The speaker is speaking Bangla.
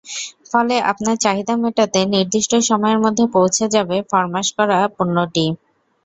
ফলে আপনার চাহিদা মেটাতে নির্দিষ্ট সময়ের মধ্যে পৌঁছে যাবে ফরমাশ করা পণ্যটি।